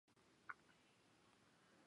旋果蚊子草为蔷薇科蚊子草属的植物。